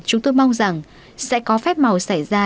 chúng tôi mong rằng sẽ có phép màu xảy ra